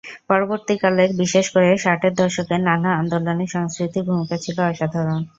পরবর্তীকালের, বিশেষ করে ষাটের দশকের নানা আন্দোলনে সংস্কৃতির ভূমিকা ছিল অসাধারণ।